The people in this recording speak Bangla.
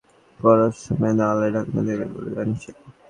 ওয়াসা নালাটির দুই পাড় বাঁধাই করার সময় নালায় ঢাকনা দেবে বলে জানিয়েছিল।